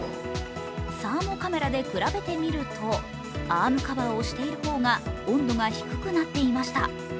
サーモカメラで比べてみるとアームカバーをしている方が温度が低くなっていました。